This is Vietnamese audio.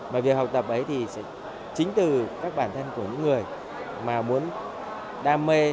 và việc học tập ấy thì chính từ các bản thân của những người mà muốn đam mê